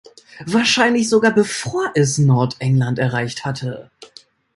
Wahrscheinlich sogar bevor es Nordengland erreicht hatte.